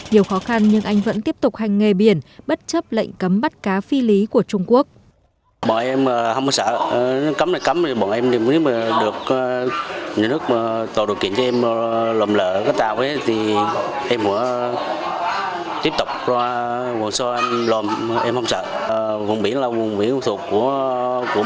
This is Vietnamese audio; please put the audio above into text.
nhiều khó khăn nhưng anh vẫn tiếp tục hành nghề biển bất chấp lệnh cấm bắt cá phi lý của trung quốc